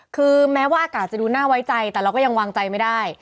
คือแม้ว่าอากาศจะดูน่าไว้ใจแต่เราก็ยังวางใจไม่ได้